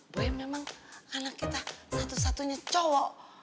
bahwa memang anak kita satu satunya cowok